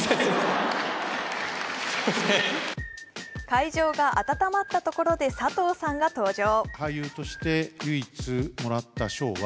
会場が温まったところで、佐藤さんが登場。